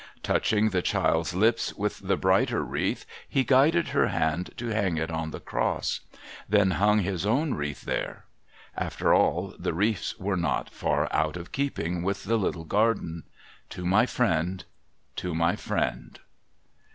Touching the child's lips with the brighter wreath, he guided her hand to hang it on the Cross ; then hung his own wreath there. ATter all, the wreaths were not iiir out of keeping with the little garden. To my friend. To my friend.